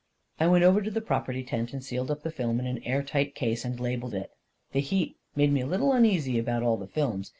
. I went over to the property tent and sealed up the film in an air tight case, and labeled it. The heat made me a little uneasy about all the films.